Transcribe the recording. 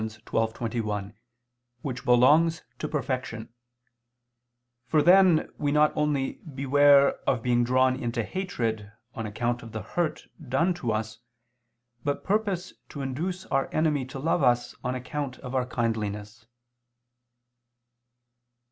12:21], which belongs to perfection: for then we not only beware of being drawn into hatred on account of the hurt done to us, but purpose to induce our enemy to love us on account of our kindliness.